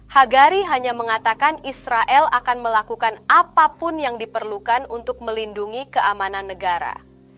hagari hanya mengatakan israel akan melakukan apapun yang diperlukan untuk melindungi keamanan negara